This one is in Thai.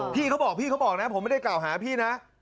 พี่เค้าบอกน่ะผมไม่ได้เก่าหาพี่น่ะ